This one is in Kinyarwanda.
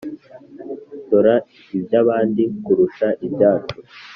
ndora iby ' abandi kurusha ibyacu